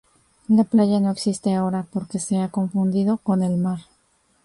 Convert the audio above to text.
La playa no existe ahora porque se ha confundido con el mar.